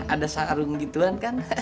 ada sarung gituan kan